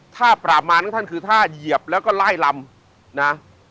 ถ้าปราบมานของท่านคือท่าเหยียบแล้วก็ไล่ลำนะ